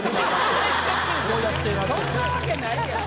そんなわけないやん。